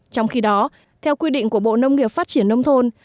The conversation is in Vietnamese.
trong khi đó theo quy định của bộ nông nghiệp phát triển nông thôn